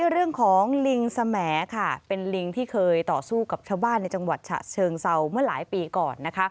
เรื่องของลิงสแหมดค่ะเป็นลิงที่เคยต่อสู้กับชาวบ้านในจังหวัดฉะเชิงเซาเมื่อหลายปีก่อน